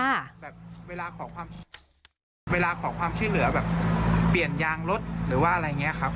แบบเวลาขอความเวลาขอความช่วยเหลือแบบเปลี่ยนยางรถหรือว่าอะไรอย่างเงี้ยครับ